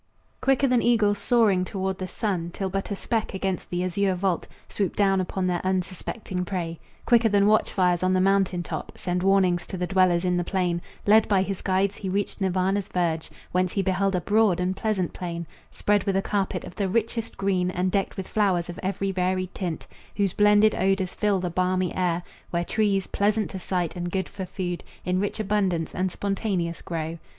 Quicker than eagles soaring toward the sun Till but a speck against the azure vault Swoop down upon their unsuspecting prey, Quicker than watch fires on the mountain top Send warnings to the dwellers in the plain, Led by his guides he reached Nirvana's verge, Whence he beheld a broad and pleasant plain, Spread with a carpet of the richest green And decked with flowers of every varied tint, Whose blended odors fill the balmy air, Where trees, pleasant to sight and good for food, In rich abundance and spontaneous grow.